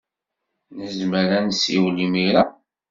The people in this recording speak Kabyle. Nezmer ad nessiwel imir-a?